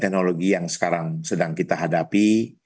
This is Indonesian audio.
teknologi yang sekarang sedang kita hadapi